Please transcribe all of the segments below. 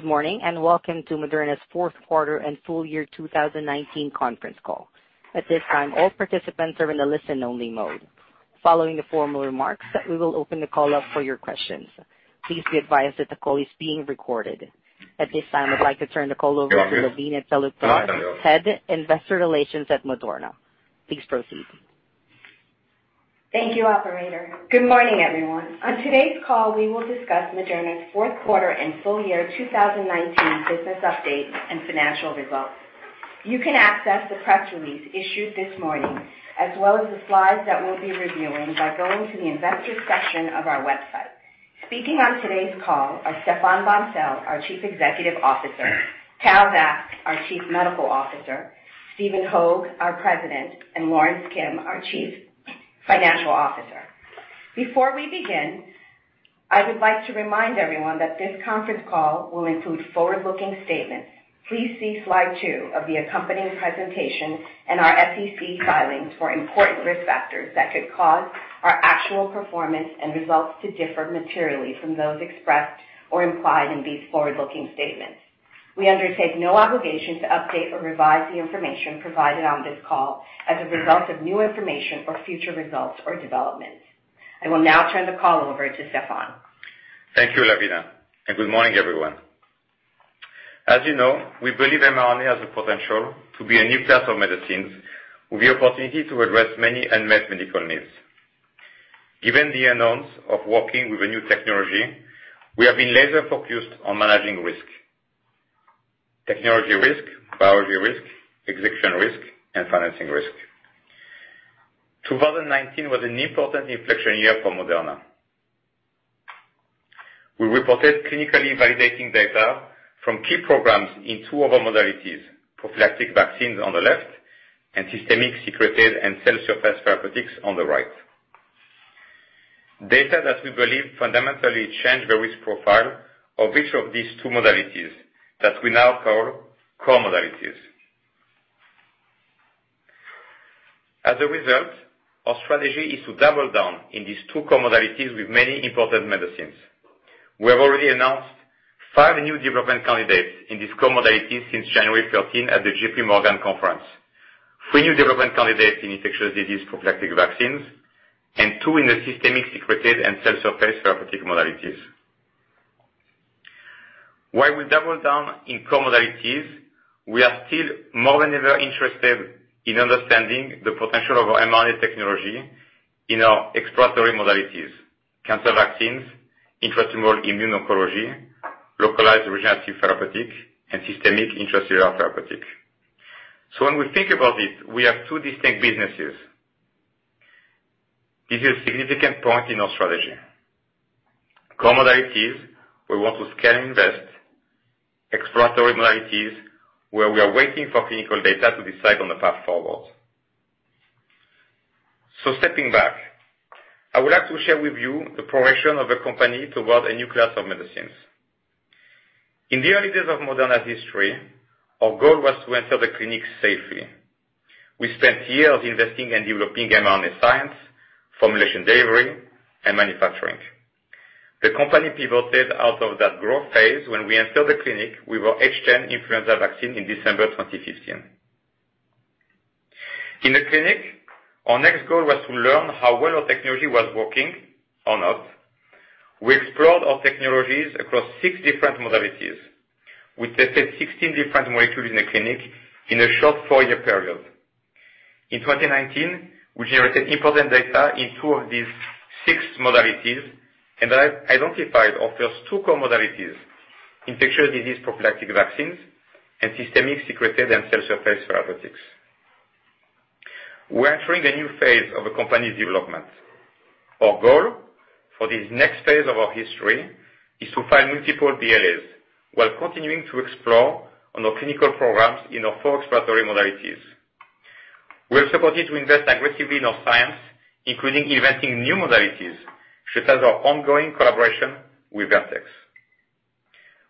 Good morning. Welcome to Moderna's Fourth Quarter and Full Year 2019 Conference Call. At this time, all participants are in a listen only mode. Following the formal remarks, we will open the call up for your questions. Please be advised that the call is being recorded. At this time, I'd like to turn the call over to Lavina Talukdar, Head Investor Relations at Moderna. Please proceed. Thank you, operator. Good morning, everyone. On today's call, we will discuss Moderna's fourth quarter and full year 2019 business update and financial results. You can access the press release issued this morning, as well as the slides that we'll be reviewing by going to the investor section of our website. Speaking on today's call are Stéphane Bancel, our Chief Executive Officer, Tal Zaks, our Chief Medical Officer, Stephen Hoge, our President, and Lorence Kim, our Chief Financial Officer. Before we begin, I would like to remind everyone that this conference call will include forward-looking statements. Please see slide two of the accompanying presentation and our SEC filings for important risk factors that could cause our actual performance and results to differ materially from those expressed or implied in these forward-looking statements. We undertake no obligation to update or revise the information provided on this call as a result of new information or future results or developments. I will now turn the call over to Stéphane. Thank you, Lavina, and good morning, everyone. As you know, we believe mRNA has the potential to be a new class of medicines with the opportunity to address many unmet medical needs. Given the unknowns of working with a new technology, we have been laser focused on managing risk, technology risk, biology risk, execution risk, and financing risk. 2019 was an important inflection year for Moderna. We reported clinically validating data from key programs in two of our modalities, prophylactic vaccines on the left, and systemic secreted and cell surface therapeutics on the right. Data that we believe fundamentally change the risk profile of each of these two modalities that we now call core modalities. As a result, our strategy is to double down in these two core modalities with many important medicines. We have already announced five new development candidates in these core modalities since January 13 at the JPMorgan conference, three new development candidates in infectious disease prophylactic vaccines, and two in the systemic secreted and cell surface therapeutic modalities. While we double down in core modalities, we are still more than ever interested in understanding the potential of our mRNA technology in our exploratory modalities, cancer vaccines, intratumoral immuno-oncology, localized regenerative therapeutic, and systemic intracellular therapeutic. When we think about it, we have two distinct businesses. This is a significant point in our strategy. Core modalities, we want to scale invest, exploratory modalities, where we are waiting for clinical data to decide on the path forward. Stepping back, I would like to share with you the progression of the company toward a new class of medicines. In the early days of Moderna's history, our goal was to enter the clinic safely. We spent years investing and developing mRNA science, formulation delivery, and manufacturing. The company pivoted out of that growth phase when we entered the clinic with our H10 influenza vaccine in December 2015. In the clinic, our next goal was to learn how well our technology was working or not. We explored our technologies across six different modalities. We tested 16 different molecules in the clinic in a short four-year period. In 2019, we generated important data in two of these six modalities and identified our first two core modalities, infectious disease prophylactic vaccines and systemic secreted and cell surface therapeutics. We're entering a new phase of the company's development. Our goal for this next phase of our history is to find multiple BLAs while continuing to explore on our clinical programs in our four exploratory modalities. We are supported to invest aggressively in our science, including inventing new modalities, such as our ongoing collaboration with Vertex.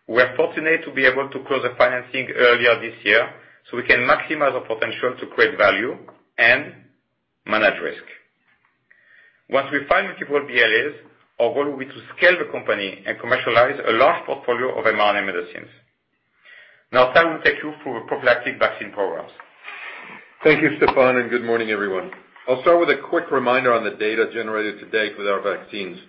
We're fortunate to be able to close the financing earlier this year, so we can maximize our potential to create value and manage risk. Once we find multiple BLAs, our goal will be to scale the company and commercialize a large portfolio of mRNA medicines. Now, Tal will take you through our prophylactic vaccine programs. Thank you, Stéphane, good morning, everyone. I'll start with a quick reminder on the data generated to date with our vaccines.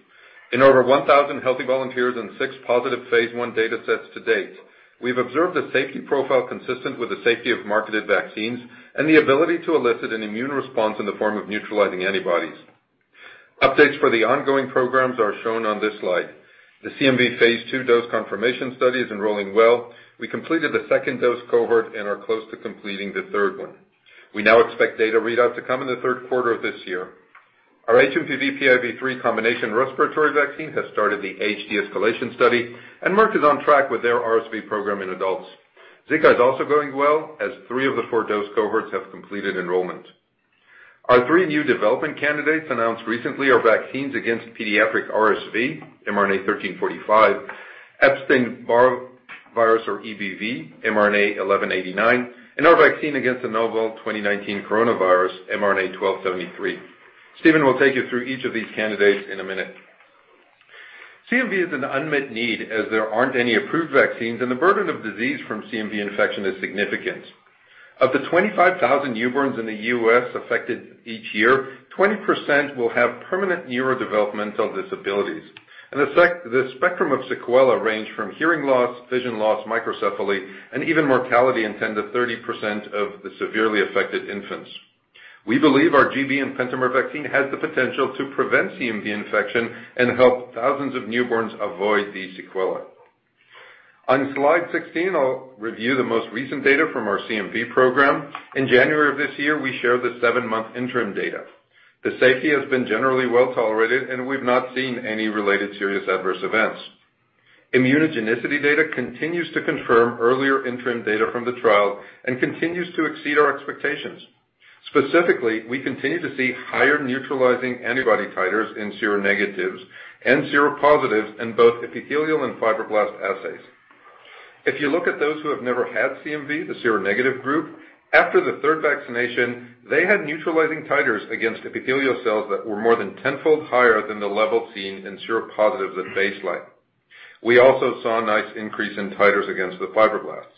In over 1,000 healthy volunteers and six positive phase I data sets to date, we've observed a safety profile consistent with the safety of marketed vaccines and the ability to elicit an immune response in the form of neutralizing antibodies. Updates for the ongoing programs are shown on this slide. The CMV phase II dose confirmation study is enrolling well. We completed the second dose cohort and are close to completing the third one. We now expect data readout to come in the third quarter of this year. Our hMPV-PIV3 combination respiratory vaccine has started the HD escalation study, Merck is on track with their RSV program in adults. Zika is also going well, as three of the four dose cohorts have completed enrollment. Our three new development candidates announced recently are vaccines against pediatric RSV, mRNA-1345, Epstein-Barr virus, or EBV, mRNA-1189, and our vaccine against the novel 2019 coronavirus, mRNA-1273. Stephen will take you through each of these candidates in a minute. CMV is an unmet need as there aren't any approved vaccines, and the burden of disease from CMV infection is significant. Of the 25,000 newborns in the U.S. affected each year, 20% will have permanent neurodevelopmental disabilities. The spectrum of sequelae range from hearing loss, vision loss, microcephaly, and even mortality in 10%-30% of the severely affected infants. We believe our gB and pentamer vaccine has the potential to prevent CMV infection and help thousands of newborns avoid these sequelae. On slide 16, I'll review the most recent data from our CMV program. In January of this year, we shared the seven-month interim data. The safety has been generally well-tolerated. We've not seen any related serious adverse events. Immunogenicity data continues to confirm earlier interim data from the trial and continues to exceed our expectations. Specifically, we continue to see higher neutralizing antibody titers in seronegatives and seropositives in both epithelial and fibroblast assays. If you look at those who have never had CMV, the seronegative group, after the third vaccination, they had neutralizing titers against epithelial cells that were more than 10-fold higher than the level seen in seropositives at baseline. We also saw a nice increase in titers against the fibroblasts.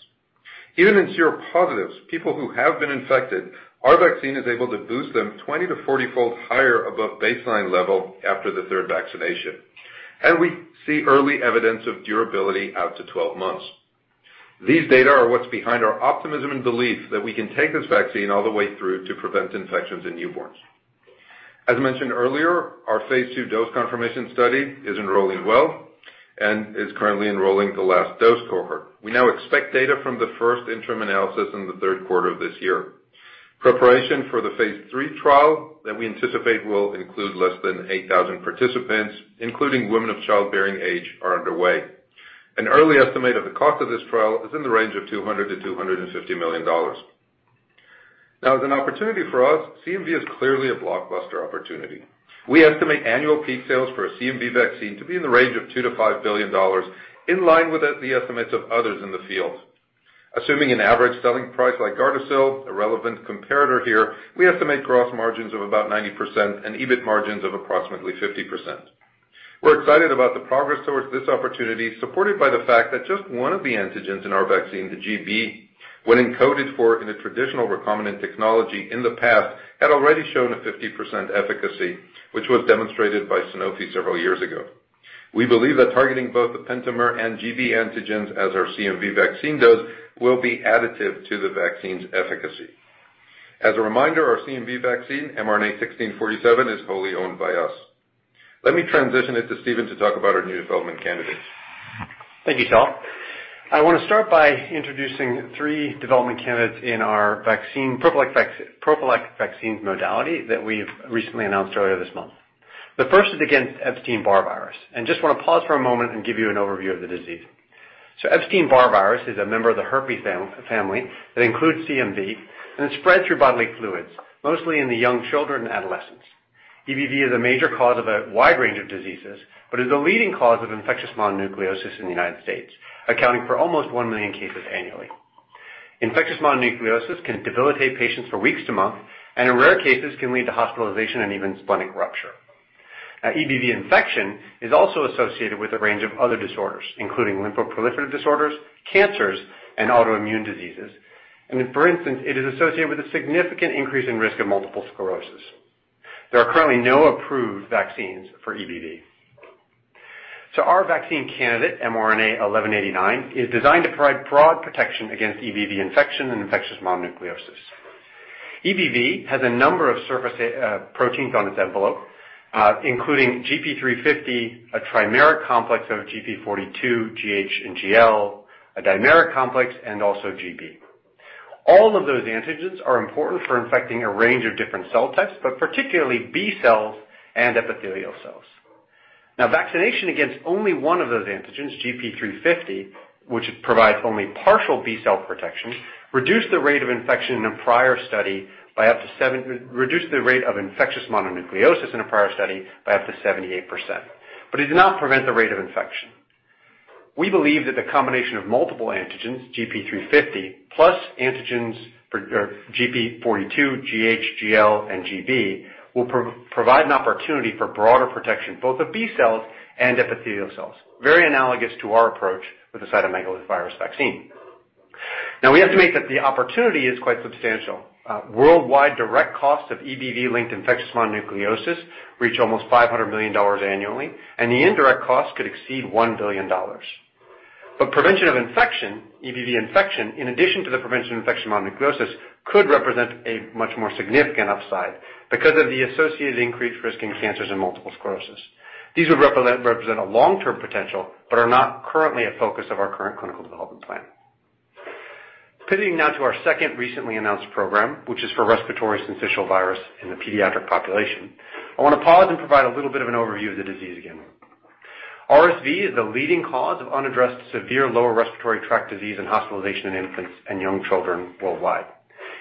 Even in seropositives, people who have been infected, our vaccine is able to boost them 20-40-fold higher above baseline level after the third vaccination. We see early evidence of durability out to 12 months. These data are what's behind our optimism and belief that we can take this vaccine all the way through to prevent infections in newborns. As mentioned earlier, our phase II dose confirmation study is enrolling well and is currently enrolling the last dose cohort. We now expect data from the first interim analysis in the third quarter of this year. Preparation for the phase III trial that we anticipate will include less than 8,000 participants, including women of childbearing age, are underway. An early estimate of the cost of this trial is in the range of $200 million-$250 million. Now as an opportunity for us, CMV is clearly a blockbuster opportunity. We estimate annual peak sales for a CMV vaccine to be in the range of $2 billion-$5 billion, in line with the estimates of others in the field. Assuming an average selling price like GARDASIL, a relevant comparator here, we estimate gross margins of about 90% and EBIT margins of approximately 50%. We're excited about the progress towards this opportunity, supported by the fact that just one of the antigens in our vaccine, the gB, when encoded for in a traditional recombinant technology in the past, had already shown a 50% efficacy, which was demonstrated by Sanofi several years ago. We believe that targeting both the pentamer and gB antigens as our CMV vaccine does will be additive to the vaccine's efficacy. As a reminder, our CMV vaccine, mRNA-1647, is wholly owned by us. Let me transition it to Stephen to talk about our new development candidates. Thank you, Tal. I want to start by introducing three development candidates in our prophylactic vaccines modality that we've recently announced earlier this month. The first is against Epstein-Barr virus, and just want to pause for a moment and give you an overview of the disease. Epstein-Barr virus is a member of the herpes family that includes CMV, and it's spread through bodily fluids, mostly in young children and adolescents. EBV is a major cause of a wide range of diseases, but is the leading cause of infectious mononucleosis in the U.S., accounting for almost 1 million cases annually. Infectious mononucleosis can debilitate patients for weeks to months, and in rare cases can lead to hospitalization and even splenic rupture. Now, EBV infection is also associated with a range of other disorders, including lymphoproliferative disorders, cancers, and autoimmune diseases. For instance, it is associated with a significant increase in risk of multiple sclerosis. There are currently no approved vaccines for EBV. Our vaccine candidate, mRNA-1189, is designed to provide broad protection against EBV infection and infectious mononucleosis. EBV has a number of surface proteins on its envelope, including GP350, a trimeric complex of GP42, GH and GL, a dimeric complex, and also gB. All of those antigens are important for infecting a range of different cell types, but particularly B cells and epithelial cells. Now, vaccination against only one of those antigens, GP350, which provides only partial B cell protection, reduced the rate of infectious mononucleosis in a prior study by up to 78%, but it did not prevent the rate of infection. We believe that the combination of multiple antigens, GP350 plus antigens GP42, GH, GL, and gB, will provide an opportunity for broader protection, both of B cells and epithelial cells, very analogous to our approach with the cytomegalovirus vaccine. Now, we estimate that the opportunity is quite substantial. Worldwide direct costs of EBV-linked infectious mononucleosis reach almost $500 million annually, and the indirect costs could exceed $1 billion. Prevention of EBV infection, in addition to the prevention of infectious mononucleosis, could represent a much more significant upside because of the associated increased risk in cancers and multiple sclerosis. These would represent a long-term potential but are not currently a focus of our current clinical development plan. Pivoting now to our second recently announced program, which is for respiratory syncytial virus in the pediatric population, I want to pause and provide a little bit of an overview of the disease again. RSV is the leading cause of unaddressed severe lower respiratory tract disease and hospitalization in infants and young children worldwide.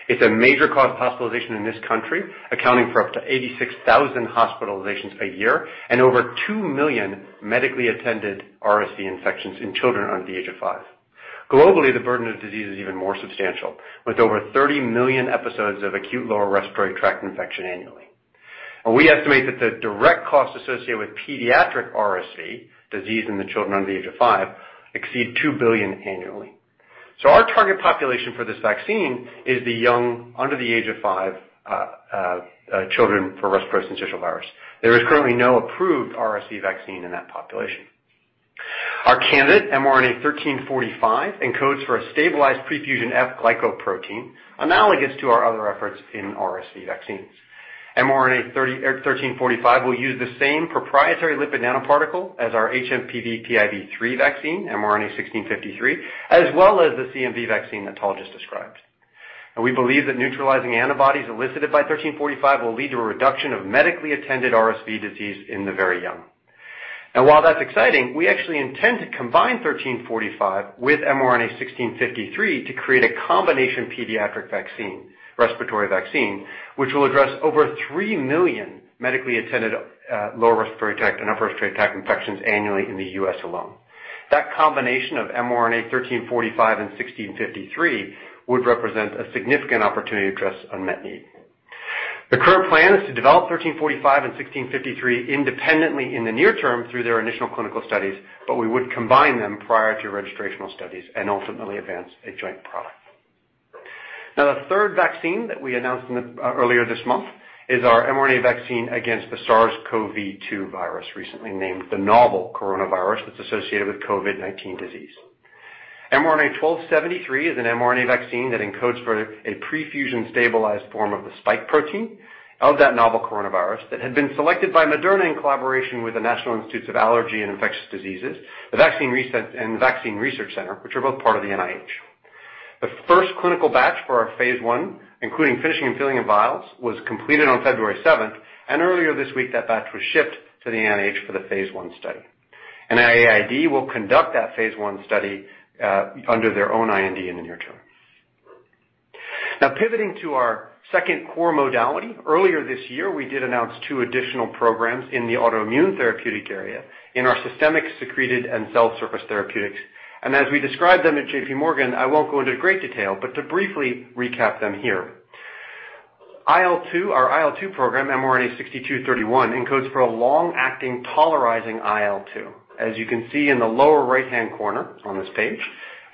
It's a major cause of hospitalization in this country, accounting for up to 86,000 hospitalizations a year and over 2 million medically attended RSV infections in children under the age of five. Globally, the burden of disease is even more substantial, with over 30 million episodes of acute lower respiratory tract infection annually. We estimate that the direct cost associated with pediatric RSV, disease in the children under the age of five, exceed $2 billion annually. Our target population for this vaccine is the young, under the age of five, children for respiratory syncytial virus. There is currently no approved RSV vaccine in that population. Our candidate, mRNA-1345, encodes for a stabilized pre-fusion F glycoprotein, analogous to our other efforts in RSV vaccines. mRNA-1345 will use the same proprietary lipid nanoparticle as our hMPV/PIV3 vaccine, mRNA-1653, as well as the CMV vaccine that Tal just described. We believe that neutralizing antibodies elicited by 1345 will lead to a reduction of medically attended RSV disease in the very young. While that's exciting, we actually intend to combine 1345 with mRNA-1653 to create a combination pediatric respiratory vaccine, which will address over 3 million medically attended lower respiratory tract and upper respiratory tract infections annually in the U.S. alone. That combination of mRNA-1345 and 1653 would represent a significant opportunity to address unmet need. The current plan is to develop mRNA-1345 and mRNA-1653 independently in the near term through their initial clinical studies, but we would combine them prior to registrational studies and ultimately advance a joint product. The third vaccine that we announced earlier this month is our mRNA vaccine against the SARS-CoV-2 virus, recently named the novel coronavirus that's associated with COVID-19 disease. mRNA-1273 is an mRNA vaccine that encodes for a pre-fusion stabilized form of the spike protein of that novel coronavirus that had been selected by Moderna in collaboration with the National Institute of Allergy and Infectious Diseases, and the Vaccine Research Center, which are both part of the NIH. The first clinical batch for our phase I, including finishing and filling of vials, was completed on February 7th, and earlier this week that batch was shipped to the NIH for the phase I study. NIAID will conduct that phase I study under their own IND in the near term. Pivoting to our second core modality. Earlier this year, we did announce two additional programs in the autoimmune therapeutic area in our systemic secreted and cell surface therapeutics. As we described them at JPMorgan, I won't go into great detail, but to briefly recap them here. Our IL-2 program, mRNA-6231, encodes for a long-acting tolerizing IL-2. As you can see in the lower right-hand corner on this page,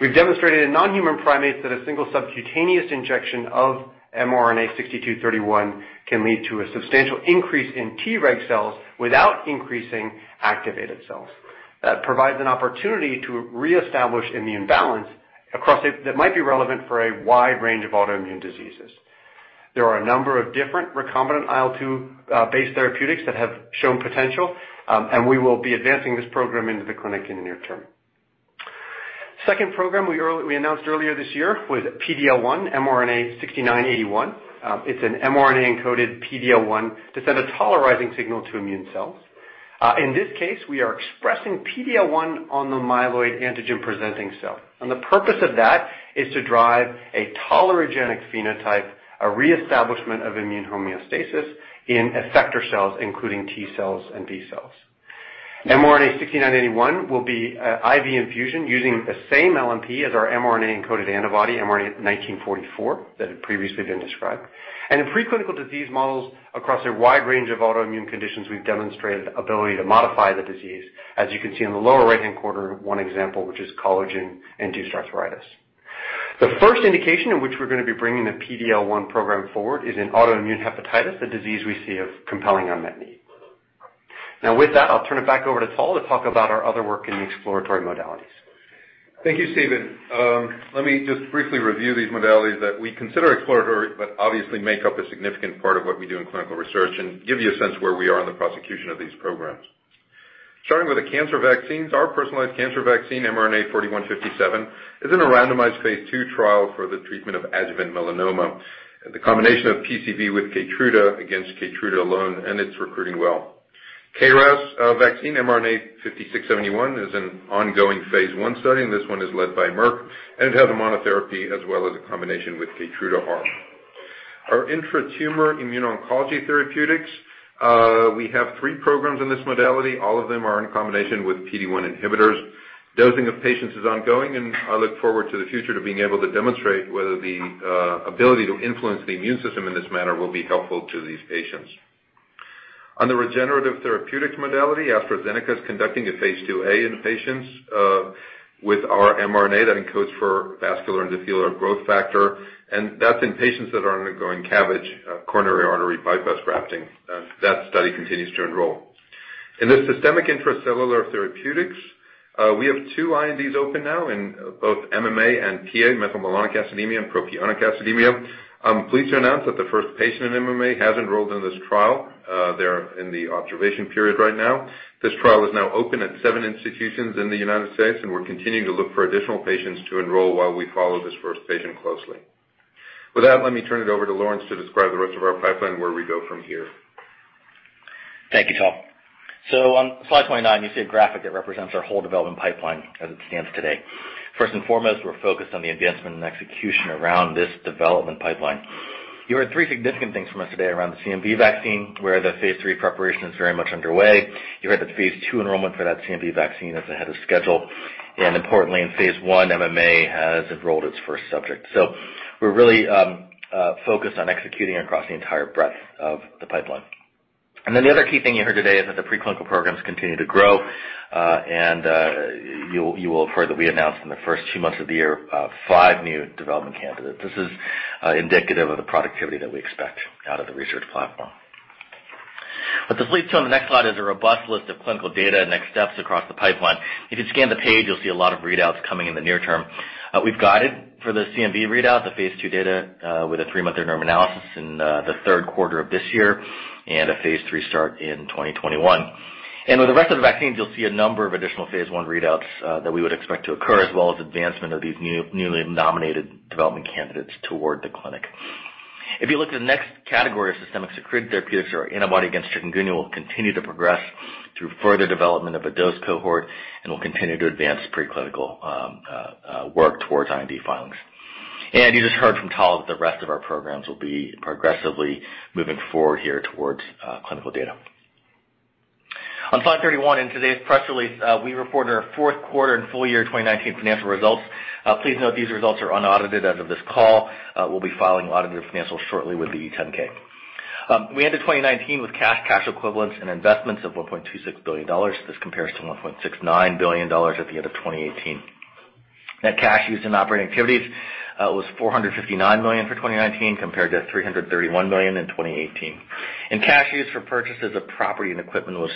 we've demonstrated in non-human primates that a single subcutaneous injection of mRNA-6231 can lead to a substantial increase in Treg cells without increasing activated cells. That provides an opportunity to reestablish immune balance that might be relevant for a wide range of autoimmune diseases. There are a number of different recombinant IL-2 based therapeutics that have shown potential, and we will be advancing this program into the clinic in the near term. Second program we announced earlier this year was PD-L1, mRNA-6981. It's an mRNA-encoded PD-L1 to send a tolerizing signal to immune cells. In this case, we are expressing PD-L1 on the myeloid antigen-presenting cell, and the purpose of that is to drive a tolerogenic phenotype, a reestablishment of immune homeostasis in effector cells, including T cells and B cells. mRNA-6981 will be an IV infusion using the same LNP as our mRNA-encoded antibody, mRNA-1944, that had previously been described. In preclinical disease models across a wide range of autoimmune conditions, we've demonstrated ability to modify the disease, as you can see on the lower right-hand corner, one example, which is collagen-induced arthritis. The first indication in which we're going to be bringing the PD-L1 program forward is in autoimmune hepatitis, a disease we see of compelling unmet need. With that, I'll turn it back over to Tal to talk about our other work in the exploratory modalities. Thank you, Stephen. Let me just briefly review these modalities that we consider exploratory, but obviously make up a significant part of what we do in clinical research and give you a sense where we are in the prosecution of these programs. Starting with the cancer vaccines, our personalized cancer vaccine, mRNA-4157, is in a randomized phase II trial for the treatment of adjuvant melanoma. The combination of PCV with KEYTRUDA against KEYTRUDA alone, and it's recruiting well. KRAS vaccine mRNA-5671 is an ongoing phase I study, and this one is led by Merck, and it has a monotherapy as well as a combination with KEYTRUDA arm. Our intratumor immuno-oncology therapeutics, we have 3 programs in this modality. All of them are in combination with PD-1 inhibitors. Dosing of patients is ongoing, and I look forward to the future to being able to demonstrate whether the ability to influence the immune system in this manner will be helpful to these patients. On the regenerative therapeutics modality, AstraZeneca is conducting a phase II-A in patients with our mRNA that encodes for vascular endothelial growth factor, and that's in patients that are undergoing CABG, coronary artery bypass grafting. That study continues to enroll. In the systemic intracellular therapeutics, we have two INDs open now in both MMA and PA, methylmalonic acidemia and propionic acidemia. I'm pleased to announce that the first patient in MMA has enrolled in this trial. They're in the observation period right now. This trial is now open at seven institutions in the United States, and we're continuing to look for additional patients to enroll while we follow this first patient closely. With that, let me turn it over to Lorence to describe the rest of our pipeline and where we go from here. Thank you, Tal. On slide 29, you see a graphic that represents our whole development pipeline as it stands today. First and foremost, we're focused on the advancement and execution around this development pipeline. You heard three significant things from us today around the CMV vaccine, where the phase III preparation is very much underway. You heard that the phase II enrollment for that CMV vaccine is ahead of schedule, and importantly, in phase I, MMA has enrolled its first subject. We're really focused on executing across the entire breadth of the pipeline. The other key thing you heard today is that the preclinical programs continue to grow. You will have heard that we announced in the first two months of the year five new development candidates. This is indicative of the productivity that we expect out of the research platform. What this leads to on the next slide is a robust list of clinical data and next steps across the pipeline. If you scan the page, you'll see a lot of readouts coming in the near term. We've guided for the CMV readout, the phase II data with a three-month interim analysis in the third quarter of this year and a phase III start in 2021. With the rest of the vaccines, you'll see a number of additional phase I readouts that we would expect to occur, as well as advancement of these newly nominated development candidates toward the clinic. If you look to the next category of systemic secreted therapeutics or antibody against chikungunya, we'll continue to progress through further development of a dose cohort and will continue to advance preclinical work towards IND filings. You just heard from Tal that the rest of our programs will be progressively moving forward here towards clinical data. On slide 31 in today's press release, we reported our fourth quarter and full year 2019 financial results. Please note these results are unaudited as of this call. We'll be filing audited financials shortly with the 10-K. We ended 2019 with cash equivalents and investments of $1.26 billion. This compares to $1.69 billion at the end of 2018. Net cash used in operating activities was $459 million for 2019, compared to $331 million in 2018. Cash used for purchases of property and equipment was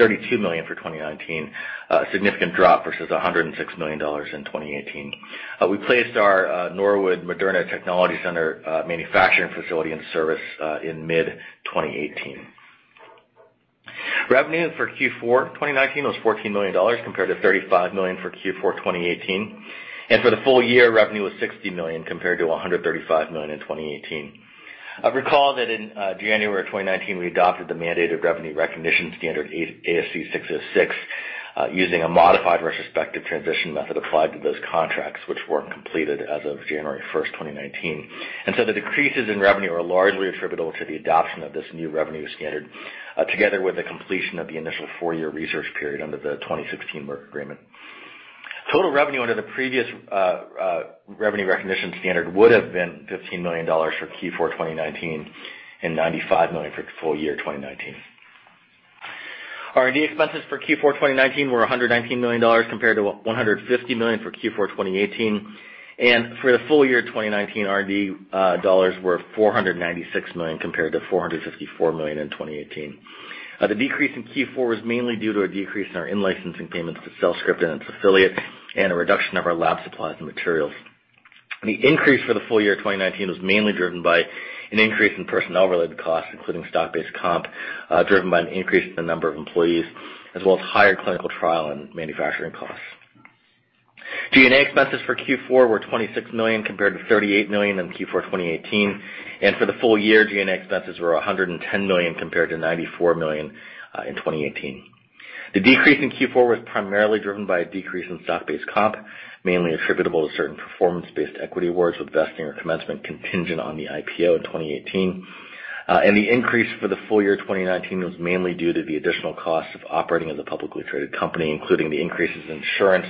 $32 million for 2019, a significant drop versus $106 million in 2018. We placed our Norwood Moderna Technology Center manufacturing facility in service in mid-2018. Revenue for Q4 2019 was $14 million, compared to $35 million for Q4 2018. For the full year, revenue was $60 million, compared to $135 million in 2018. We recall that in January 2019, we adopted the mandated revenue recognition standard, ASC 606, using a modified retrospective transition method applied to those contracts which weren't completed as of January 1st, 2019. The decreases in revenue are largely attributable to the adoption of this new revenue standard, together with the completion of the initial four-year research period under the 2016 work agreement. Total revenue under the previous revenue recognition standard would have been $15 million for Q4 2019, and $95 million for full year 2019. R&D expenses for Q4 2019 were $119 million compared to $150 million for Q4 2018, and for the full year 2019, R&D dollars were $496 million compared to $454 million in 2018. The decrease in Q4 was mainly due to a decrease in our in-licensing payments to CELLSCRIPT and its affiliates and a reduction of our lab supplies and materials. The increase for the full year 2019 was mainly driven by an increase in personnel-related costs, including stock-based comp, driven by an increase in the number of employees, as well as higher clinical trial and manufacturing costs. G&A expenses for Q4 were $26 million, compared to $38 million in Q4 2018. For the full year, G&A expenses were $110 million, compared to $94 million in 2018. The decrease in Q4 was primarily driven by a decrease in stock-based comp, mainly attributable to certain performance-based equity awards, with vesting or commencement contingent on the IPO in 2018. The increase for the full year 2019 was mainly due to the additional costs of operating as a publicly traded company, including the increases in insurance,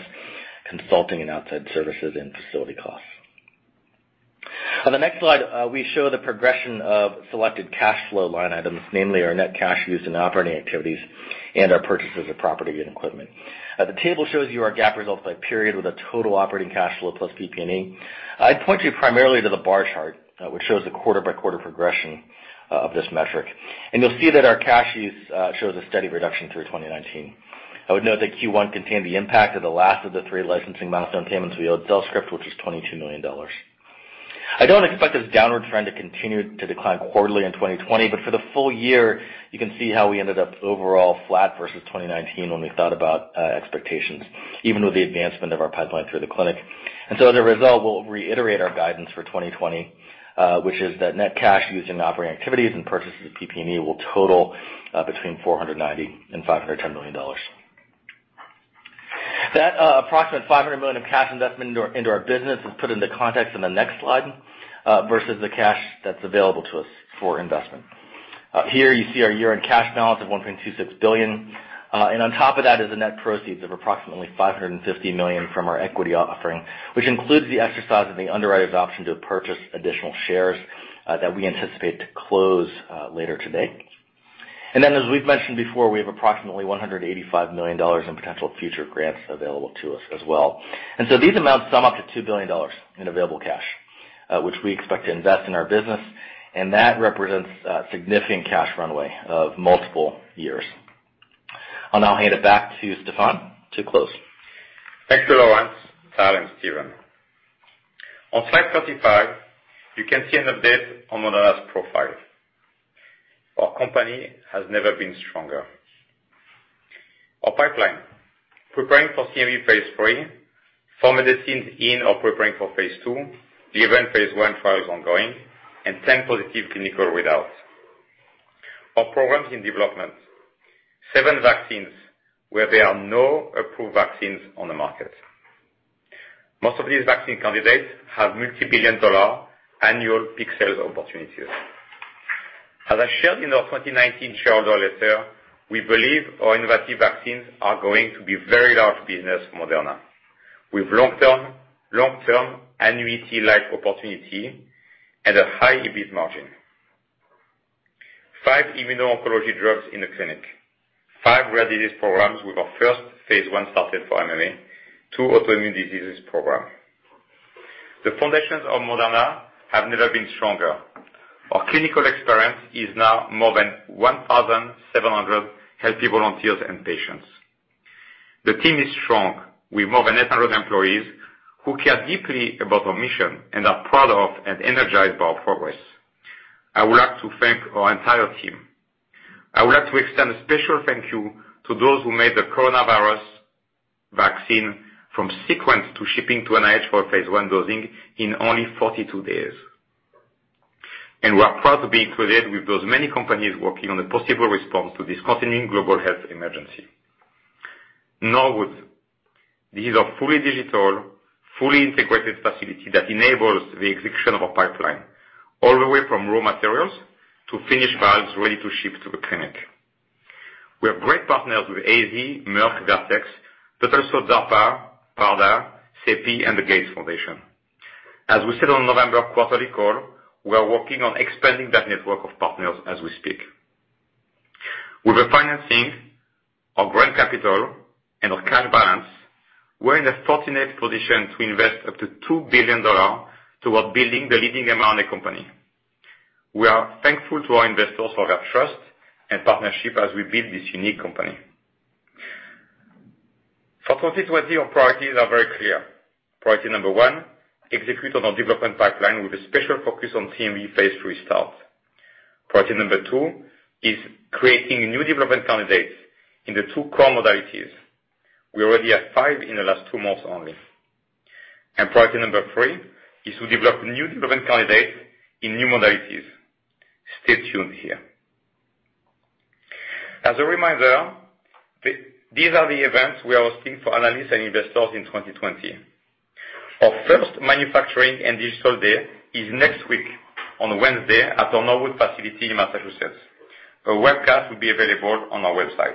consulting, and outside services and facility costs. On the next slide, we show the progression of selected cash flow line items, namely our net cash used in operating activities and our purchases of property and equipment. The table shows you our GAAP results by period with a total operating cash flow plus PP&E. I'd point you primarily to the bar chart, which shows the quarter-by-quarter progression of this metric. You'll see that our cash use shows a steady reduction through 2019. I would note that Q1 contained the impact of the last of the three licensing milestone payments we owed CELLSCRIPT, which was $22 million. I don't expect this downward trend to continue to decline quarterly in 2020. For the full year, you can see how we ended up overall flat versus 2019 when we thought about expectations, even with the advancement of our pipeline through the clinic. As a result, we'll reiterate our guidance for 2020, which is that net cash used in operating activities and purchases of PP&E will total between $490 million and $510 million. That approximate $500 million of cash investment into our business is put into context on the next slide versus the cash that's available to us for investment. Here you see our year-end cash balance of $1.26 billion, and on top of that is the net proceeds of approximately $550 million from our equity offering, which includes the exercise of the underwriter's option to purchase additional shares that we anticipate to close later today. Then, as we've mentioned before, we have approximately $185 million in potential future grants available to us as well. These amounts sum up to $2 billion in available cash, which we expect to invest in our business, and that represents a significant cash runway of multiple years. I'll now hand it back to Stéphane to close. Thank you, Lorence, Tal, and Stephen. On slide 35, you can see an update on Moderna's profile. Our company has never been stronger. Our pipeline, preparing for CMV phase III, four medicines in or preparing for phase II, the event phase I trial is ongoing, and 10 positive clinical readouts. More programs in development. Seven vaccines where there are no approved vaccines on the market. Most of these vaccine candidates have multi-billion dollar annual peak sales opportunities. As I shared in our 2019 shareholder letter, we believe our innovative vaccines are going to be very large business Moderna, with long-term annuity life opportunity and a high EBIT margin. Five immuno-oncology drugs in the clinic. Five rare disease programs with our first phase I started for MMA, two autoimmune diseases program. The foundations of Moderna have never been stronger. Our clinical experience is now more than 1,700 healthy volunteers and patients. The team is strong, with more than 800 employees who care deeply about our mission and are proud of and energized by our progress. I would like to thank our entire team. I would like to extend a special thank you to those who made the coronavirus vaccine from sequence to shipping to NIH for phase I dosing in only 42 days. We are proud to be included with those many companies working on a possible response to this continuing global health emergency. Norwood, these are fully digital, fully integrated facility that enables the execution of our pipeline, all the way from raw materials to finished vials ready to ship to the clinic. We have great partners with AZ, Merck, Vertex, but also DARPA, BARDA, CEPI, and the Gates Foundation. As we said on November quarterly call, we are working on expanding that network of partners as we speak. With the financing, our grant capital, and our cash balance, we're in the fortunate position to invest up to $2 billion towards building the leading mRNA company. We are thankful to our investors for their trust and partnership as we build this unique company. For 2020, our priorities are very clear. Priority number one, execute on our development pipeline with a special focus on CMV phase III start. Priority number two is creating new development candidates in the two core modalities. We already have five in the last two months only. Priority number three is to develop new development candidates in new modalities. Stay tuned here. As a reminder, these are the events we are hosting for analysts and investors in 2020. Our first manufacturing and digital day is next week on Wednesday at our Norwood facility in Massachusetts. A webcast will be available on our website.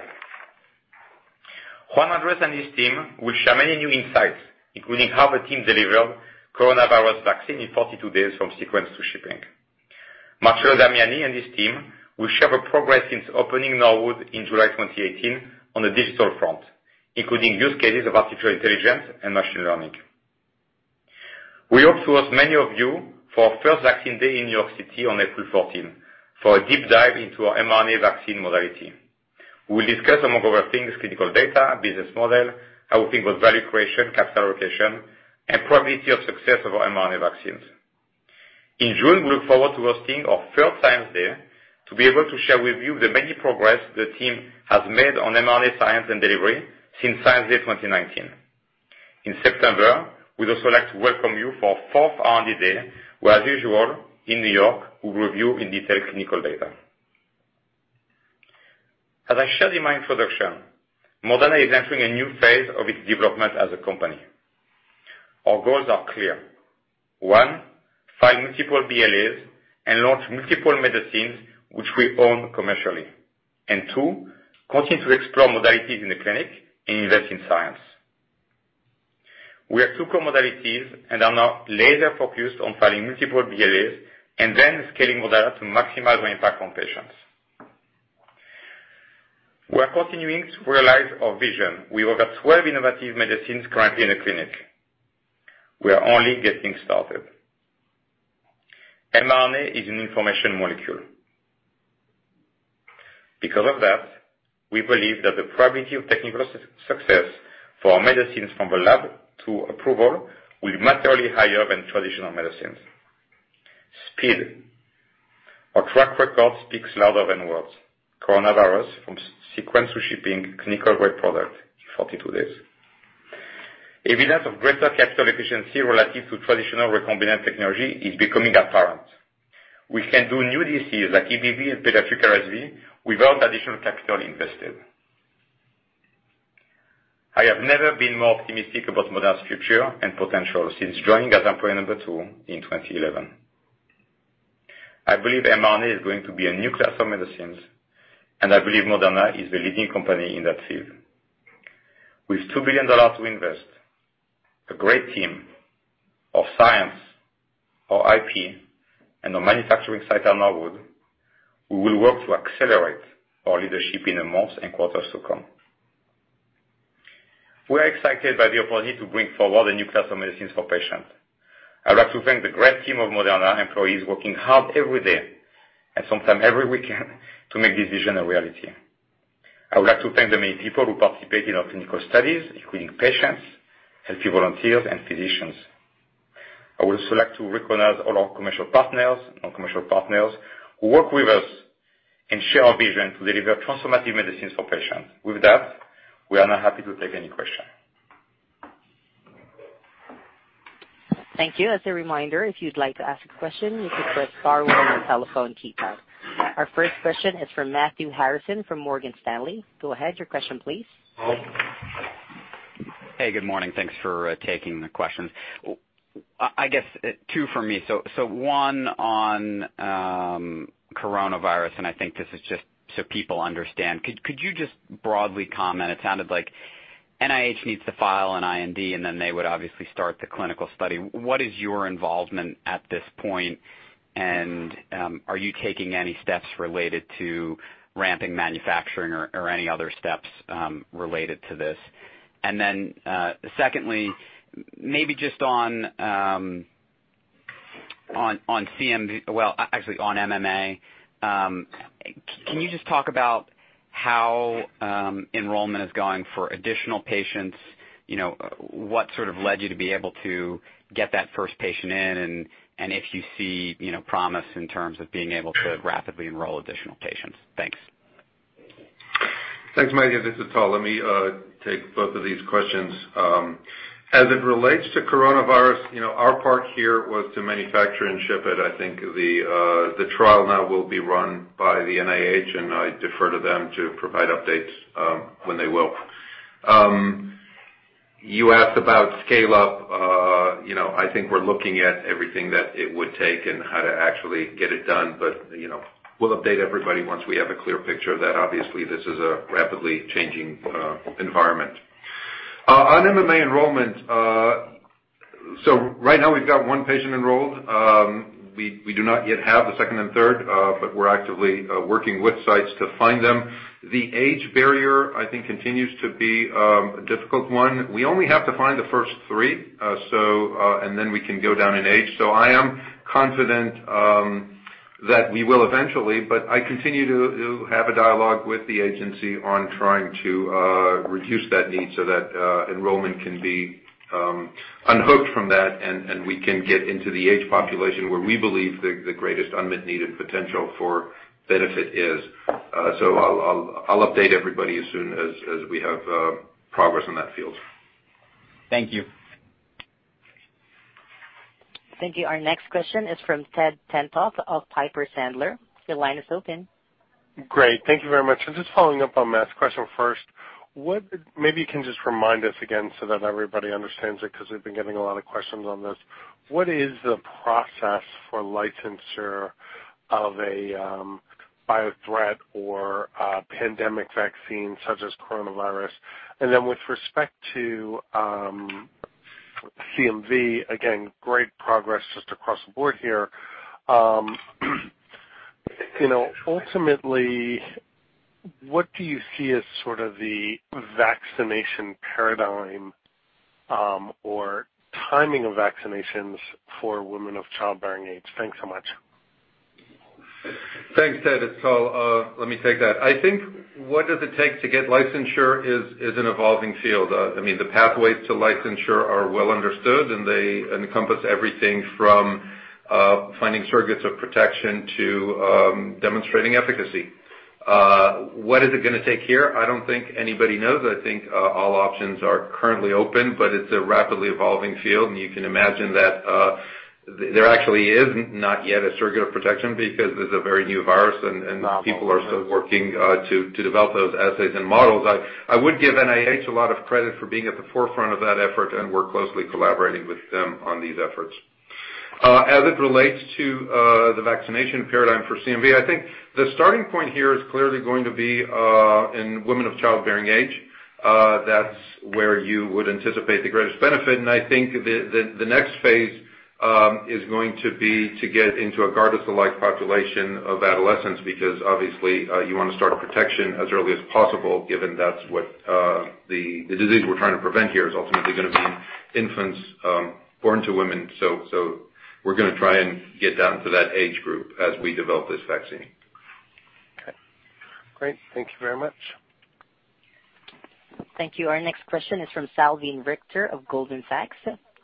Juan Andres and his team will share many new insights, including how the team delivered coronavirus vaccine in 42 days from sequence to shipping. Marcello Damiani and his team will share the progress since opening Norwood in July 2018 on a digital front, including use cases of artificial intelligence and machine learning. We hope to host many of you for our first Vaccine Day in New York City on April 14, for a deep dive into our mRNA vaccine modality. We'll discuss, among other things, clinical data, business model, how we think about value creation, capital allocation, and probability of success of our mRNA vaccines. In June, we look forward to hosting our third Science Day to be able to share with you the many progress the team has made on mRNA science and delivery since Science Day 2019. In September, we'd also like to welcome you for our fourth R&D Day, where as usual, in New York, we'll review in detail clinical data. As I shared in my introduction, Moderna is entering a new phase of its development as a company. Our goals are clear. One, file multiple BLAs and launch multiple medicines which we own commercially. Two, continue to explore modalities in the clinic and invest in science. We have two core modalities and are now laser-focused on filing multiple BLAs and then scaling model to maximize our impact on patients. We are continuing to realize our vision. We have over 12 innovative medicines currently in the clinic. We are only getting started. mRNA is an information molecule. Because of that, we believe that the probability of technical success for our medicines from the lab to approval will be materially higher than traditional medicines. Speed. Our track record speaks louder than words. Coronavirus from sequence to shipping clinical-grade product in 42 days. Evidence of greater capital efficiency relative to traditional recombinant technology is becoming apparent. We can do new diseases like EBV and pediatric RSV without additional capital invested. I have never been more optimistic about Moderna's future and potential since joining as employee number two in 2011. I believe mRNA is going to be a new class of medicines, and I believe Moderna is the leading company in that field. With $2 billion to invest, a great team of science, our IP, and our manufacturing site at Norwood, we will work to accelerate our leadership in the months and quarters to come. We are excited by the opportunity to bring forward a new class of medicines for patients. I would like to thank the great team of Moderna employees working hard every day, and sometime every weekend, to make this vision a reality. I would like to thank the many people who participate in our clinical studies, including patients, healthy volunteers, and physicians. I would also like to recognize all our commercial partners, non-commercial partners, who work with us and share our vision to deliver transformative medicines for patients. With that, we are now happy to take any question. Thank you. As a reminder, if you'd like to ask a question, you can press star one on your telephone keypad. Our first question is from Matthew Harrison from Morgan Stanley. Go ahead. Your question please. Hey, good morning. Thanks for taking the question. I guess two from me. One on coronavirus, and I think this is just so people understand. Could you just broadly comment, it sounded like NIH needs to file an IND, and then they would obviously start the clinical study. What is your involvement at this point, and are you taking any steps related to ramping manufacturing or any other steps related to this? Secondly, maybe just on MMA, can you just talk about how enrollment is going for additional patients? What led you to be able to get that first patient in? If you see promise in terms of being able to rapidly enroll additional patients. Thanks. Thanks, Matthew. This is Tal. Let me take both of these questions. As it relates to coronavirus, our part here was to manufacture and ship it. I defer to them to provide updates when they will. You asked about scale up. I think we're looking at everything that it would take and how to actually get it done. We'll update everybody once we have a clear picture of that. Obviously, this is a rapidly changing environment. On MMA enrollment, Right now we've got one patient enrolled. We do not yet have the second and third, We're actively working with sites to find them. The age barrier, I think, continues to be a difficult one. We only have to find the first three, Then we can go down in age. I am confident that we will eventually, but I continue to have a dialogue with the agency on trying to reduce that need so that enrollment can be unhooked from that, and we can get into the age population where we believe the greatest unmet need and potential for benefit is. I'll update everybody as soon as we have progress in that field. Thank you. Thank you. Our next question is from Ted Tenthoff of Piper Sandler. Your line is open. Great. Thank you very much. Just following up on Matt's question first, maybe you can just remind us again so that everybody understands it, because we've been getting a lot of questions on this. What is the process for licensure of a biothreat or pandemic vaccine such as coronavirus? With respect to CMV, again, great progress just across the board here. Ultimately, what do you see as sort of the vaccination paradigm or timing of vaccinations for women of childbearing age? Thanks so much. Thanks, Ted. It's Tal. Let me take that. I think what does it take to get licensure is an evolving field. The pathways to licensure are well understood, and they encompass everything from finding surrogates of protection to demonstrating efficacy. What is it going to take here? I don't think anybody knows. I think all options are currently open, but it's a rapidly evolving field, and you can imagine that there actually is not yet a surrogate of protection because it's a very new virus, and people are still working to develop those assays and models. I would give NIH a lot of credit for being at the forefront of that effort, and we're closely collaborating with them on these efforts. As it relates to the vaccination paradigm for CMV, I think the starting point here is clearly going to be in women of childbearing age. That's where you would anticipate the greatest benefit, I think the next phase is going to be to get into a GARDASIL-like population of adolescents, because obviously you want to start protection as early as possible, given that's what the disease we're trying to prevent here is ultimately going to be infants born to women. We're going to try and get down to that age group as we develop this vaccine. Okay. Great. Thank you very much. Thank you. Our next question is from Salveen Richter of Goldman Sachs.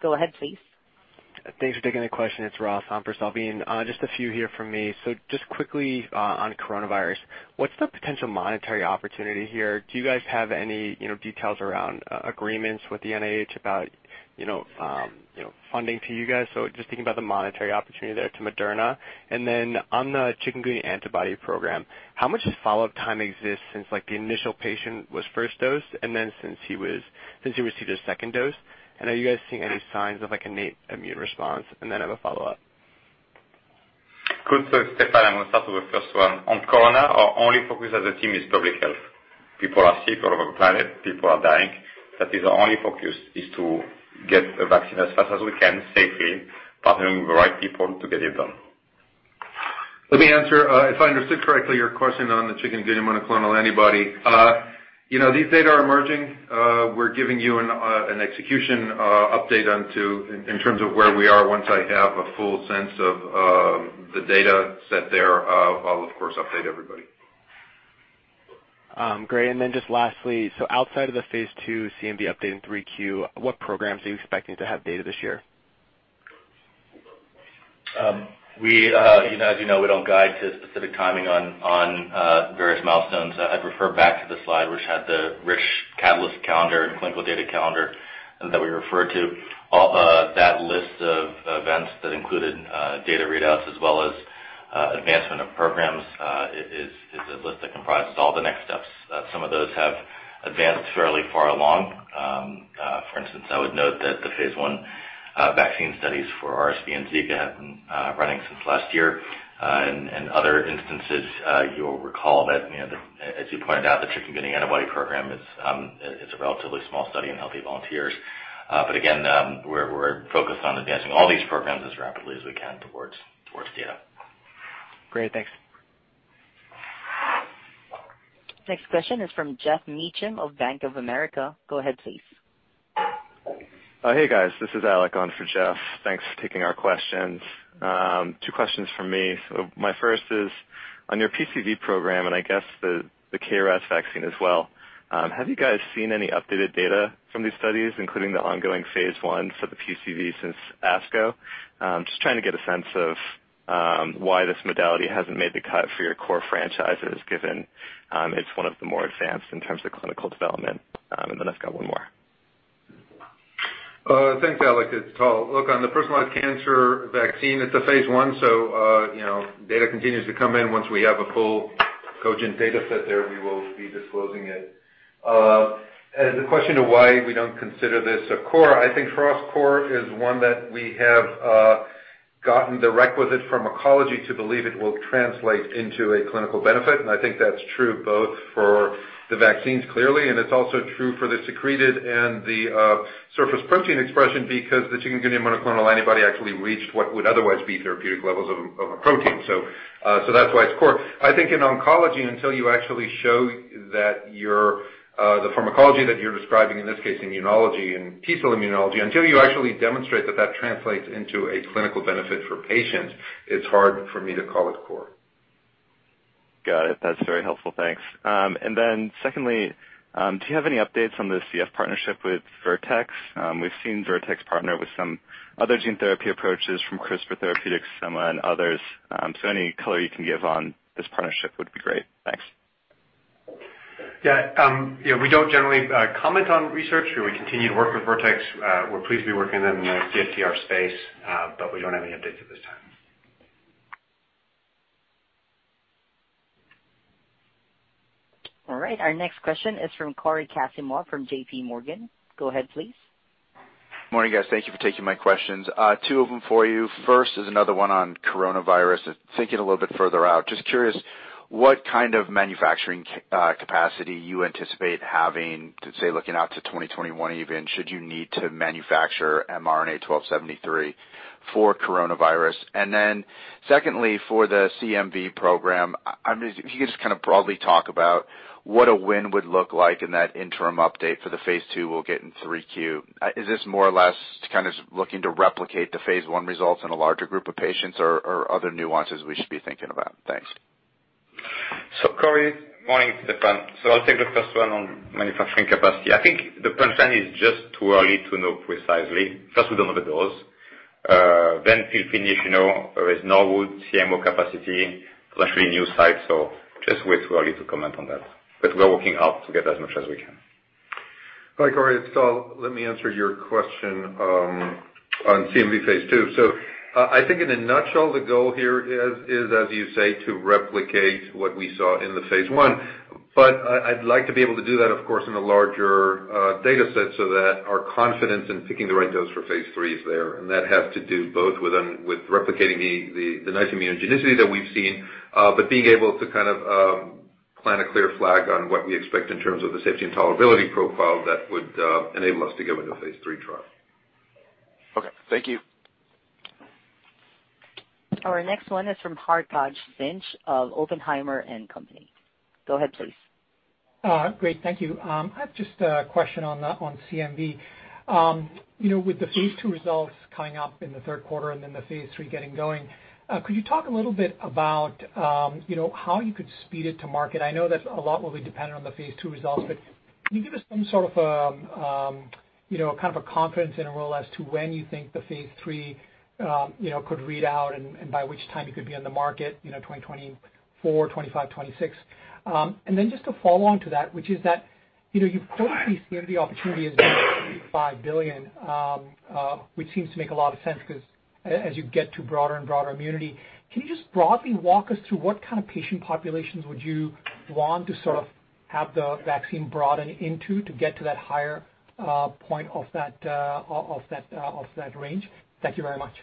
Go ahead, please. Thanks for taking the question. It's Ross for Salveen. Just a few here from me. Just quickly on coronavirus, what's the potential monetary opportunity here? Do you guys have any details around agreements with the NIH about funding to you guys? Just thinking about the monetary opportunity there to Moderna. On the Chikungunya antibody program, how much follow-up time exists since the initial patient was first dosed and then since he received his second dose? Are you guys seeing any signs of innate immune response? I have a follow-up. Good. Stéphane, I'm going to start with the first one. On corona, our only focus as a team is public health. People are sick all over the planet. People are dying. That is our only focus, is to get a vaccine as fast as we can, safely, partnering with the right people to get it done. Let me answer. If I understood correctly your question on the chikungunya monoclonal antibody. These data are emerging. We're giving you an execution update in terms of where we are. Once I have a full sense of the data set there, I'll of course update everybody. Great. Just lastly, outside of the phase II CMV update in 3Q, what programs are you expecting to have data this year? As you know, we don't guide to specific timing on various milestones. I'd refer back to the slide which had the rich catalyst calendar and clinical data calendar that we referred to. That list of events that included data readouts as well as advancement of programs, is a list that comprises all the next steps. Some of those have advanced fairly far along. For instance, I would note that the phase I vaccine studies for RSV and Zika have been running since last year. In other instances, you'll recall that, as you pointed out, the chikungunya antibody program is a relatively small study in healthy volunteers. Again, we're focused on advancing all these programs as rapidly as we can towards data. Great. Thanks. Next question is from Geoff Meacham of Bank of America. Go ahead, please. Hey, guys. This is Alec on for Geoff. Thanks for taking our questions. Two questions from me. My first is on your PCV program, and I guess the KRAS vaccine as well. Have you guys seen any updated data from these studies, including the ongoing phase I for the PCV since ASCO? Just trying to get a sense of why this modality hasn't made the cut for your core franchises, given it's one of the more advanced in terms of clinical development. I've got one more. Thanks, Alec. It's Tal. On the personalized cancer vaccine, it's a phase I, data continues to come in. Once we have a full cogent data set there, we will be disclosing it. As a question of why we don't consider this a core, I think for us, core is one that we have gotten the requisite pharmacology to believe it will translate into a clinical benefit. I think that's true both for the vaccines clearly, it's also true for the secreted and the surface protein expression, because the chikungunya monoclonal antibody actually reached what would otherwise be therapeutic levels of a protein. That's why it's core. I think in oncology, until you actually show that the pharmacology that you're describing, in this case, immunology and T cell immunology, until you actually demonstrate that that translates into a clinical benefit for patients, it's hard for me to call it core. Got it. That's very helpful. Thanks. Secondly, do you have any updates on the CF partnership with Vertex? We've seen Vertex partner with some other gene therapy approaches from CRISPR Therapeutics, Semma, and others. Any color you can give on this partnership would be great. Thanks. Yeah. We don't generally comment on research. We continue to work with Vertex. We're pleased to be working with them in the CFTR space, but we don't have any updates at this time. All right. Our next question is from Cory Kasimov from JPMorgan. Go ahead, please. Morning, guys. Thank you for taking my questions. Two of them for you. First is another one on coronavirus. Thinking a little bit further out, just curious what kind of manufacturing capacity you anticipate having to, say, looking out to 2021 even, should you need to manufacture mRNA-1273 for coronavirus? Secondly, for the CMV program, if you could just broadly talk about what a win would look like in that interim update for the phase II we'll get in 3Q. Is this more or less to kind of looking to replicate the phase I results in a larger group of patients, or are there other nuances we should be thinking about? Thanks. Cory, morning. It's Stéphane. I'll take the first one on manufacturing capacity. I think the punchline is just too early to know precisely, because we don't have the dose. To finish, there is Norwood CMO capacity, potentially a new site. Just way too early to comment on that. We are working out to get as much as we can. Hi, Cory, it's Tal. Let me answer your question on CMV phase II. I think in a nutshell, the goal here is, as you say, to replicate what we saw in the phase I. I'd like to be able to do that, of course, in a larger data set so that our confidence in picking the right dose for phase III is there, and that has to do both with replicating the nice immunogenicity that we've seen, but being able to plant a clear flag on what we expect in terms of the safety and tolerability profile that would enable us to go into a phase III trial. Okay. Thank you. Our next one is from Hartaj Singh of Oppenheimer & Company. Go ahead, please. Great. Thank you. I have just a question on CMV. With the phase II results coming up in the third quarter and then the phase III getting going, could you talk a little bit about how you could speed it to market? I know that a lot will be dependent on the phase II results, but can you give us some sort of a confidence interval as to when you think the phase III could read out and by which time it could be on the market, 2024, 2025, 2026? Just to follow on to that, which is that you put the CMV opportunity as being [audio distortio] $5 billion, which seems to make a lot of sense because as you get to broader and broader immunity. Can you just broadly walk us through what kind of patient populations would you want to sort of have the vaccine broaden into to get to that higher point of that range? Thank you very much.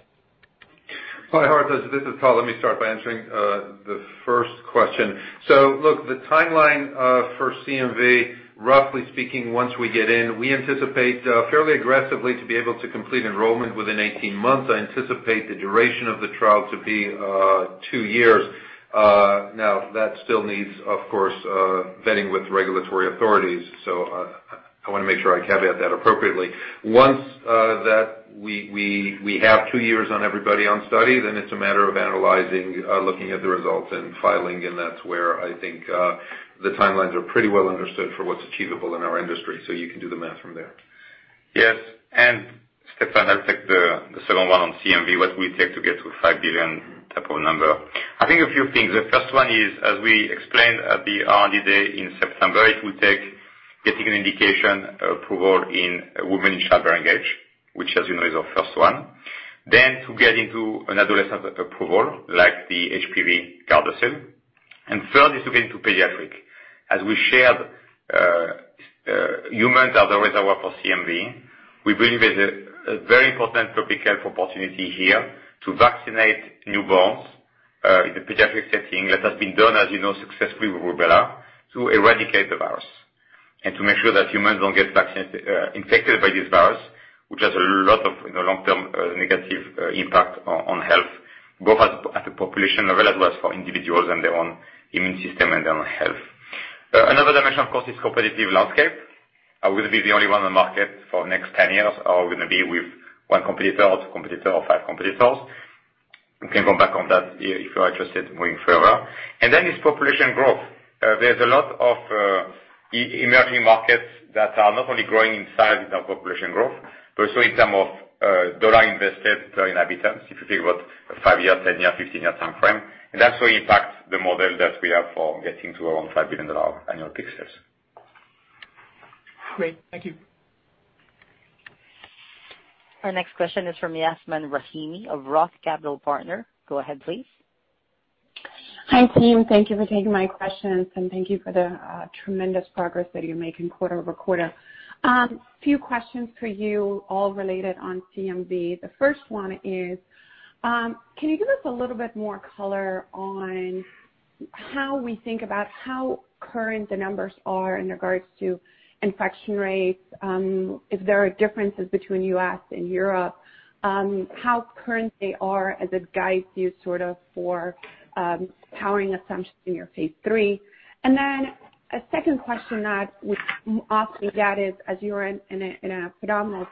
Hi, Hartaj. This is Tal. Let me start by answering the first question. Look, the timeline for CMV, roughly speaking, once we get in, we anticipate fairly aggressively to be able to complete enrollment within 18 months. I anticipate the duration of the trial to be two years. That still needs, of course, vetting with regulatory authorities. I want to make sure I caveat that appropriately. Once we have two years on everybody on study, then it's a matter of analyzing, looking at the results, and filing, and that's where I think the timelines are pretty well understood for what's achievable in our industry. You can do the math from there. Yes. Stéphane, I'll take the second one on CMV. What will it take to get to a $5 billion type of number? I think a few things. The first one is, as we explained at the R&D Day in September, it will take getting an indication approval in women in childbearing age, which as you know, is our first one. To get into an adolescent approval, like the HPV GARDASIL. Third is to get into pediatric. As we shared, humans are the reservoir for CMV. We believe there's a very important public health opportunity here to vaccinate newborns in the pediatric setting. That has been done, as you know, successfully with rubella, to eradicate the virus, and to make sure that humans don't get infected by this virus, which has a lot of long-term negative impact on health, both at a population level as well as for individuals and their own immune system and their own health. Another dimension, of course, is competitive landscape. Are we going to be the only one on the market for next 10 years, or are we going to be with one competitor or two competitor or five competitors? We can come back on that if you are interested in going further. It's population growth. There's a lot of emerging markets that are not only growing in size in terms of population growth, but also in term of dollar invested per inhabitants, if you think about five-year, 10-year, 15-year time frame. That will impact the model that we have for getting to around $5 billion annual peak sales. Great. Thank you. Our next question is from Yasmeen Rahimi of Roth Capital Partners. Go ahead, please. Hi, team. Thank you for taking my questions and thank you for the tremendous progress that you're making quarter-over-quarter. A few questions for you, all related on CMV. The first one is, can you give us a little bit more color on how we think about how current the numbers are in regards to infection rates? If there are differences between U.S. and Europe, how current they are as it guides you sort of for powering assumptions in your phase III? A second question that would possibly add is as you are in a predominant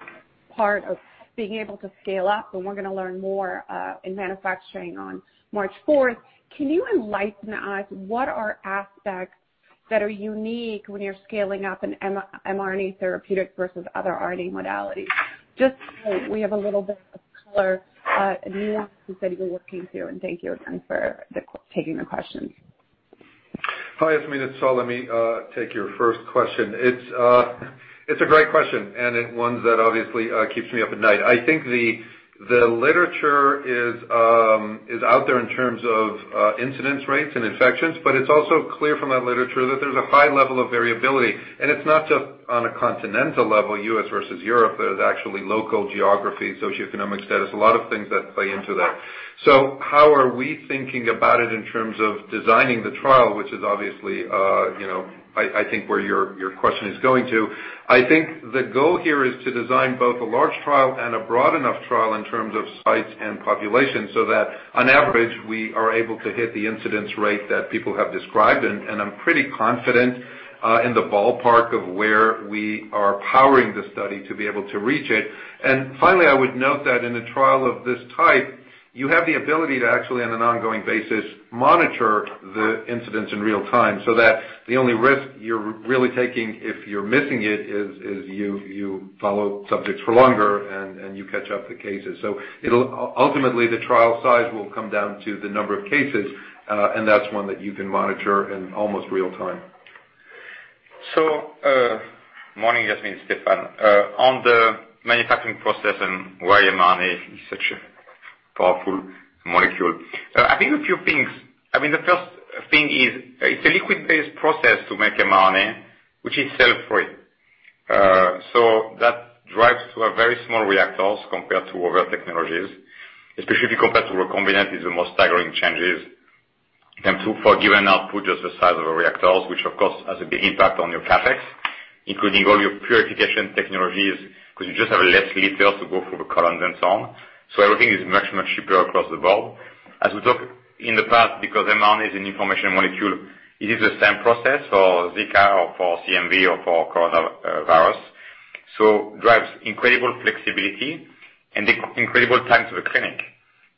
part of being able to scale up, and we're going to learn more in manufacturing on March 4. Can you enlighten us what are aspects that are unique when you're scaling up an mRNA therapeutic versus other RNA modalities? Just so we have a little bit of color in the amounts that you're working through and thank you again for taking the questions. Hi, Yasmeen. It's Tal. Let me take your first question. It's a great question, and one that obviously keeps me up at night. I think the literature is out there in terms of incidence rates and infections. It's also clear from that literature that there's a high level of variability. It's not just on a continental level, U.S. versus Europe. There's actually local geography, socioeconomic status, a lot of things that play into that. How are we thinking about it in terms of designing the trial, which is obviously I think where your question is going to. I think the goal here is to design both a large trial and a broad enough trial in terms of sites and population so that on average, we are able to hit the incidence rate that people have described. I'm pretty confident in the ballpark of where we are powering the study to be able to reach it. Finally, I would note that in a trial of this type, you have the ability to actually, on an ongoing basis, monitor the incidence in real time so that the only risk you're really taking if you're missing it is you follow subjects for longer and you catch up the cases. Ultimately, the trial size will come down to the number of cases, and that's one that you can monitor in almost real time. Morning, Yasmeen. It's Stéphane. On the manufacturing process and why mRNA is such a powerful molecule. I think a few things. The first thing is it's a liquid-based process to make mRNA, which is cell-free. That drives to a very small reactors compared to other technologies, especially if you compare to recombinant is the most staggering changes. Two, for a given output, just the size of a reactors, which of course, has a big impact on your CapEx, including all your purification technologies, because you just have less liters to go through the columns and so on. Everything is much, much cheaper across the board. As we talked in the past, because mRNA is an information molecule, it is the same process for Zika or for CMV or for coronavirus. Drives incredible flexibility and incredible time to the clinic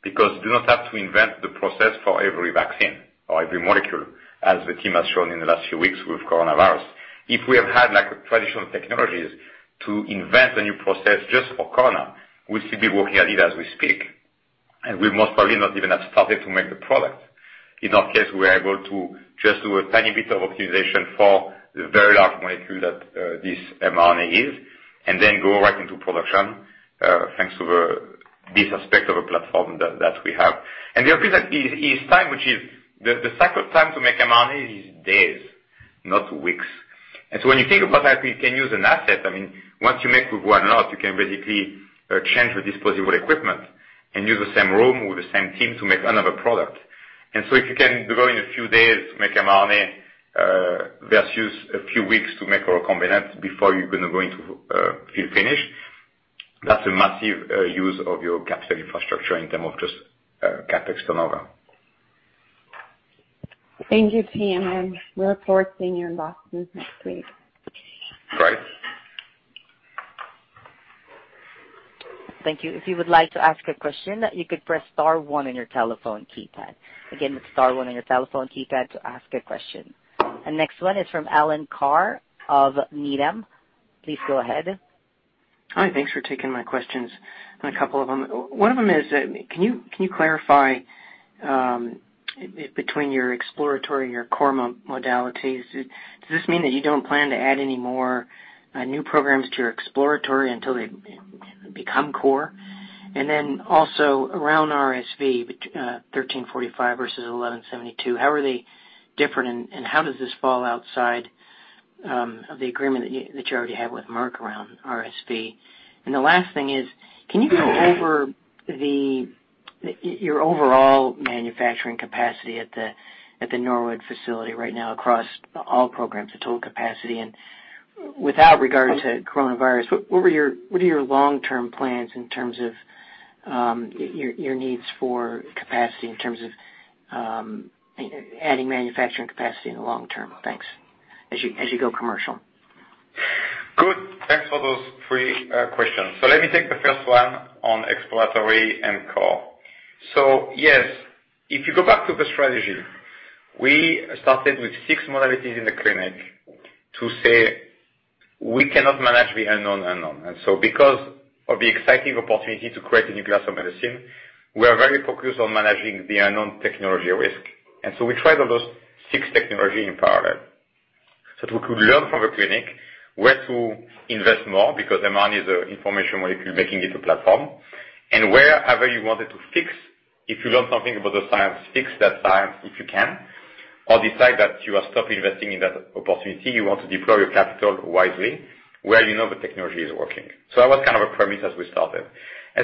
because you do not have to invent the process for every vaccine or every molecule, as the team has shown in the last few weeks with coronavirus. If we have had traditional technologies to invent a new process just for corona, we'll still be working at it as we speak. We most probably not even have started to make the product. In our case, we are able to just do a tiny bit of optimization for the very large molecule that this mRNA is and then go right into production thanks to this aspect of a platform that we have. The other thing is time. The cycle time to make mRNA is days, not weeks. When you think about that, we can use an asset. Once you make one lot, you can basically change the disposable equipment and use the same room or the same team to make another product. If you can go in a few days to make mRNA versus a few weeks to make a recombinant before you're going to go into field finish, that's a massive use of your capital infrastructure in terms of just CapEx turnover. Thank you, team, and we look forward to seeing you in Boston next week. Great. Thank you. If you would like to ask a question, you could press star one on your telephone keypad. Again, it's star one on your telephone keypad to ask a question. The next one is from Alan Carr of Needham. Please go ahead. Hi. Thanks for taking my questions, a couple of them. One of them is, can you clarify between your exploratory and your core modalities? Does this mean that you don't plan to add any more new programs to your exploratory until they become core? Also, around RSV, mRNA-1345 versus mRNA-1172, how are they different, and how does this fall outside of the agreement that you already have with Merck around RSV? The last thing is, can you go over your overall manufacturing capacity at the Norwood facility right now across all programs, the total capacity? Without regard to coronavirus, what are your long-term plans in terms of your needs for capacity, in terms of adding manufacturing capacity in the long term? Thanks. As you go commercial. Good. Thanks for those three questions. Let me take the first one on exploratory and core. Yes, if you go back to the strategy, we started with six modalities in the clinic to say we cannot manage the unknown. Because of the exciting opportunity to create a new class of medicine, we are very focused on managing the unknown technology risk. We tried all those six technology in parallel, so that we could learn from the clinic where to invest more, because mRNA is an information molecule making it a platform. Wherever you wanted to fix, if you learn something about the science, fix that science, if you can, or decide that you stop investing in that opportunity. You want to deploy your capital wisely where you know the technology is working. That was kind of a premise as we started.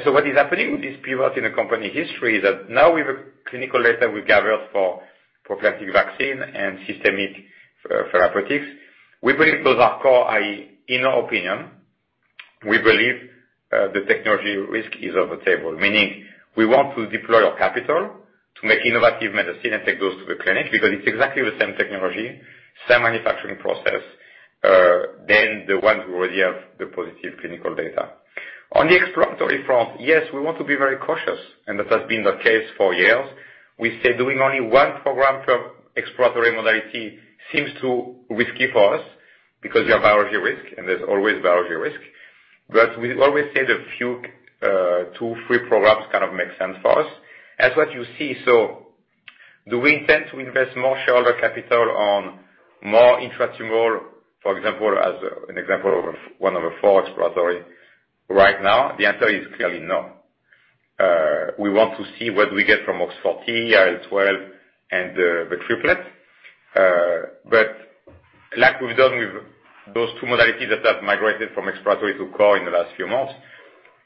What is happening with this pivot in the company history is that now we have a clinical data we gathered for prophylactic vaccine and systemic therapeutics. We believe those are core. In our opinion, we believe the technology risk is off the table, meaning we want to deploy our capital to make innovative medicine and take those to the clinic, because it's exactly the same technology, same manufacturing process than the ones who already have the positive clinical data. On the exploratory front, yes, we want to be very cautious, and that has been the case for years. We said doing only one program per exploratory modality seems too risky for us because we have biology risk, and there's always biology risk. We always said a few two, three programs kind of make sense for us. That's what you see. Do we intend to invest more shareholder capital on more intratumoral, for example, as an example of one of our four exploratory right now? The answer is clearly no. We want to see what we get from OX40, IL-12, and the triplet. Like we've done with those two modalities that have migrated from exploratory to core in the last few months,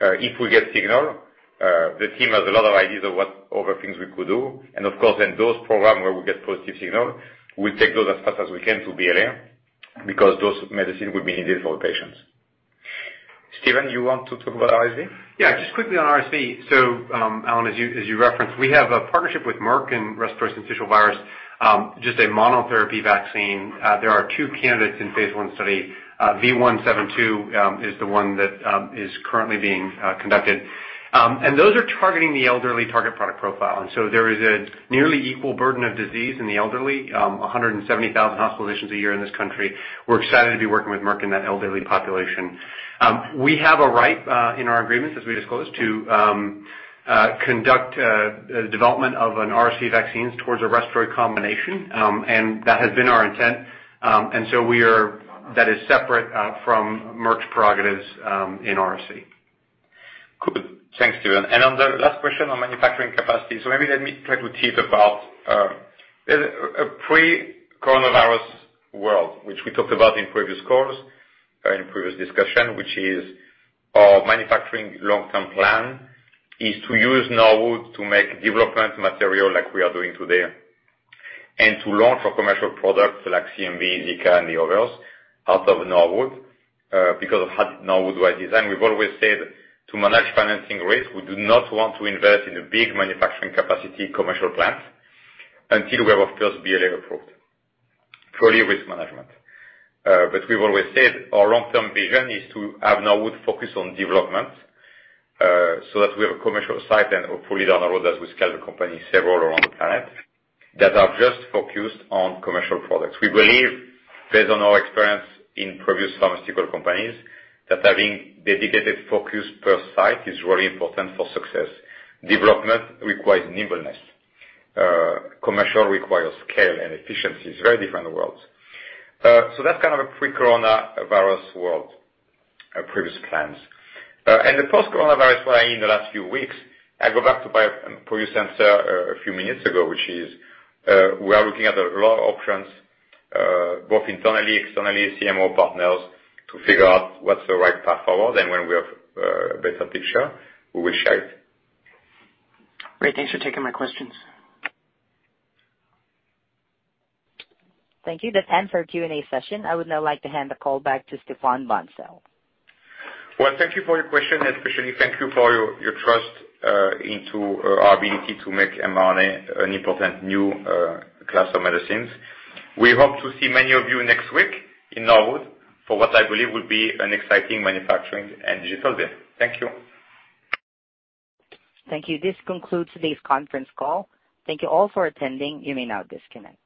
if we get signal, the team has a lot of ideas of what other things we could do. Of course, in those programs where we get positive signal, we take those as fast as we can to BLA, because those medicine will be needed for patients. Stephen, you want to talk about RSV? Just quickly on RSV. Alan, as you referenced, we have a partnership with Merck in respiratory syncytial virus, just a monotherapy vaccine. There are two candidates in phase I study. V172 is the one that is currently being conducted. Those are targeting the elderly target product profile. There is a nearly equal burden of disease in the elderly, 170,000 hospitalizations a year in the U.S. We're excited to be working with Merck in that elderly population. We have a right in our agreements, as we disclosed, to conduct the development of an RSV vaccines towards a respiratory combination, that has been our intent. That is separate from Merck's prerogatives in RSV. Good. Thanks, Stephen. On the last question on manufacturing capacity. Maybe let me try to tease about a pre-coronavirus world, which we talked about in previous calls or in previous discussion, which is our manufacturing long-term plan is to use Norwood to make development material like we are doing today, and to launch our commercial products like CMV, Zika, and the others out of Norwood. Because of how Norwood was designed, we've always said to manage financing risk, we do not want to invest in a big manufacturing capacity commercial plant until we have our first BLA approved. Clearly risk management. We've always said our long-term vision is to have Norwood focus on development so that we have a commercial site and hopefully down the road, as we scale the company several around the planet that are just focused on commercial products. We believe based on our experience in previous pharmaceutical companies that having dedicated focus per site is really important for success. Development requires nimbleness. Commercial requires scale and efficiency. It's very different worlds. That's kind of a pre-coronavirus world previous plans. The post-coronavirus plan in the last few weeks, I go back to bio producer a few minutes ago, which is we are looking at a lot of options both internally, externally, CMO partners, to figure out what's the right path forward. When we have a better picture, we will share it. Great. Thanks for taking my questions. Thank you. That ends our Q&A session. I would now like to hand the call back to Stéphane Bancel. Well, thank you for your question, and especially thank you for your trust into our ability to make mRNA an important new class of medicines. We hope to see many of you next week in Norwood for what I believe will be an exciting manufacturing and digital day. Thank you. Thank you. This concludes today's conference call. Thank you all for attending. You may now disconnect.